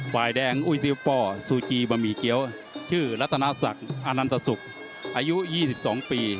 ภายใด